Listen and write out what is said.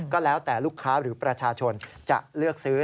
ก็แล้วแต่ลูกค้าหรือประชาชนจะเลือกซื้อ